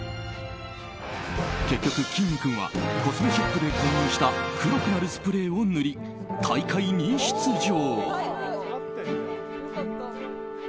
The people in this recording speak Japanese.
結局、きんに君はコスメショップで購入した黒くなるスプレーを塗り大会に出場。